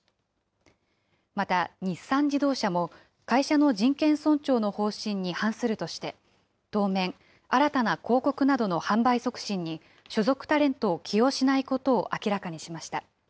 また、日産自動車も、会社の人権尊重の方針に反するとして、当面、新たな広告などの販売促進に、所属タレントを起用しないことを明らかにしました。